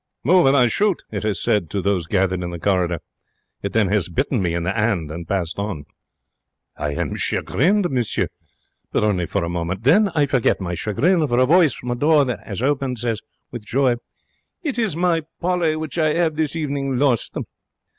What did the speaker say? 'Move and I shoot!' it has said to those gathered in the corridor. It then has bitten me in the 'and and passed on. I am chagrined, monsieur. But only for a moment. Then I forget my chagrin. For a voice from a door that 'as opened says with joy, 'It is my Polly, which I 'ave this evening lost!'